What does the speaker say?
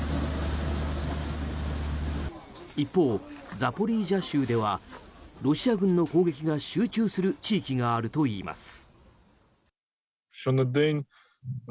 一方、ザポリージャ州ではロシア軍の攻撃が集中する地域があるといいます。